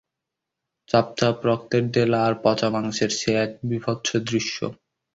চাপচাপ রক্তের ডেলা আর পচা মাংসের সে এক বীভৎস দৃশ্য।